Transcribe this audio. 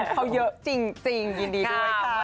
มันเพราะเยอะจริงยินดีด้วยค่ะ